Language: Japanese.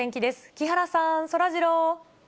木原さん、そらジロー。